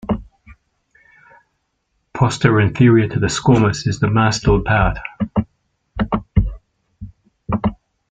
Posteroinferior to the squamous is the mastoid part.